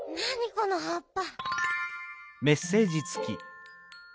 このはっぱ。